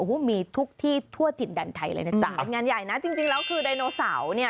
โอ้โหมีทุกที่ทั่วถิ่นดันไทยเลยนะจ๊ะเป็นงานใหญ่นะจริงจริงแล้วคือไดโนเสาร์เนี่ย